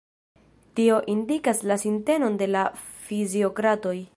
Tio indikas la sintenon de la fiziokratoj.